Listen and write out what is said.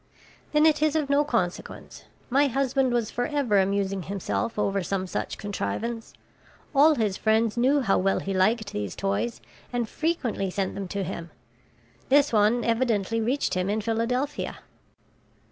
"Then it is of no consequence. My husband was forever amusing himself over some such contrivance. All his friends knew how well he liked these toys and frequently sent them to him. This one evidently reached him in Philadelphia."